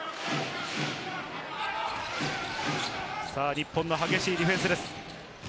日本の激しいディフェンスです。